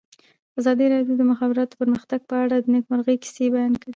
ازادي راډیو د د مخابراتو پرمختګ په اړه د نېکمرغۍ کیسې بیان کړې.